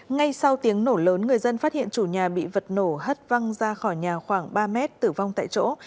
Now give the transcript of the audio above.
ngay sau tiếng nổ lớn người dân phát hiện chủ nhà bị vật nổ hất văng ra khỏi nhà khoảng ba mét tử vong tại chỗ